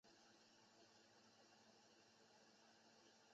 本列表为科摩罗驻中华人民共和国历任大使名录。